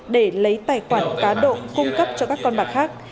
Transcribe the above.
để lấy tài khoản cá độ cung cấp cho các con bạc khác